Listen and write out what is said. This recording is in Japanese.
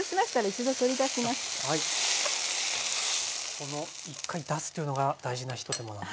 この１回出すというのが大事なひと手間なんですね。